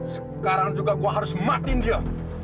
sekarang juga kok harus matiin dia